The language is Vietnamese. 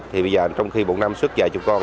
thì bây giờ trong khi một năm xuất dạy cho con